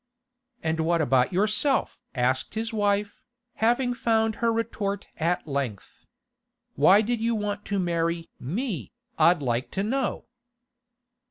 'And what about yourself?' asked his wife, having found her retort at length. 'Why did you want to marry me, I'd like to know?